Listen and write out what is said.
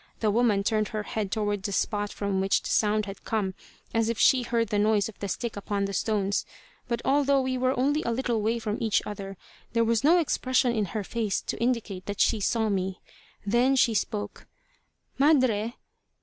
The woman turned her head toward the spot from which the sound had come, as if she heard the noise of the stick upon the stones, but although we were only a little way from each other, there was no expression in her face to indicate that she saw me. Then she spoke. "Madre!"